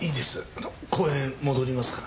あの公園戻りますから。